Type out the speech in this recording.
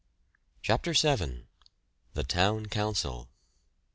] CHAPTER VII. THE TOWN COUNCIL.